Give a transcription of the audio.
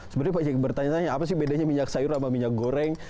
sebenarnya pak jack bertanya tanya apa sih bedanya minyak sayur sama minyak goreng